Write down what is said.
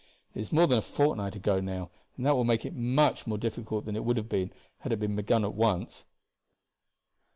It is more than a fortnight ago now, and that will make it much more difficult than it would have been had it been begun at once."